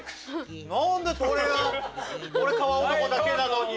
なんでおれがおれ川男だけなのに！